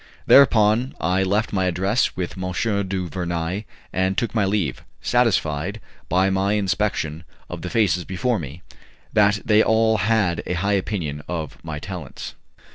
Thereupon I left my address with M. du Vernai and took my leave, satisfied, by my inspection of the faces before me, that they all had a high opinion of my talents.